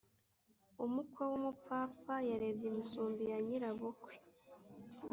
Umukwe w’umupfapfa yarebye imisumbi ya nyirabukwe.